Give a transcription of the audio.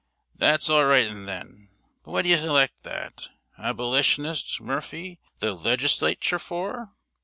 "Thatsallrightth'n. But what d'you elect that Abolitionist, Murphy, t'th' Leg'slature for?"